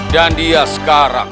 dan dia sekarang